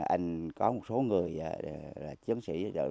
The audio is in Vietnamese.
anh có một số người là chiến sĩ